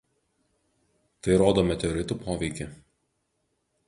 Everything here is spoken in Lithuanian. Tai rodo meteoritų poveikį.